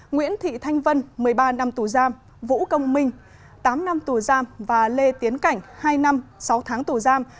nguyễn thị thanh vân một mươi ba năm tù giam vũ công minh tám năm tù giam và lê tiến cảnh hai năm sáu tháng tù giam